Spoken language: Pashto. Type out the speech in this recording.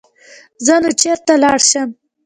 نو زۀ چرته لاړ شم ـ